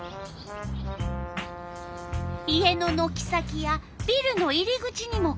家ののき先やビルの入り口にも来る。